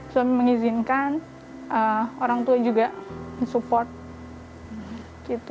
suami mengizinkan orang tua juga support gitu